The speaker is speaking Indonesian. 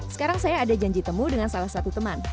sekarang saya ada janji temu dengan salah satu teman